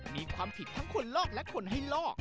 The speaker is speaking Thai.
มีความผิดทั้งคนลอกและคนให้ลอก